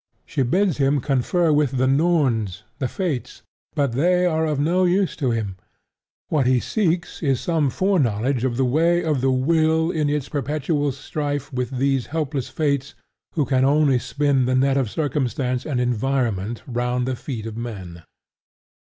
She bids him confer with the Norns (the Fates). But they are of no use to him: what he seeks is some foreknowledge of the way of the Will in its perpetual strife with these helpless Fates who can only spin the net of circumstance and environment round the feet of men.